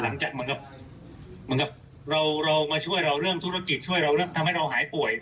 หลังจากเหมือนกับนเราช่วยเราเรื่องศูนย์ก่อนแอทำให้เราหายป่วย